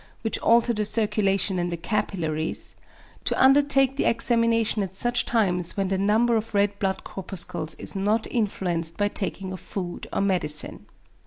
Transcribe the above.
which alter the circulation in the capillaries; to undertake the examination at such times when the number of red blood corpuscles is not influenced by the taking of food or medicine.